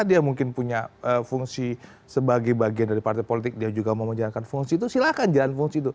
dia mungkin punya fungsi sebagai bagian dari partai politik dia juga mau menjalankan fungsi itu silahkan jalan fungsi itu